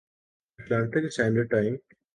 Atlantic standard time